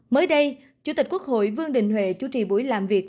mới đây chủ tịch quốc hội vương đình huệ chủ trì buổi làm việc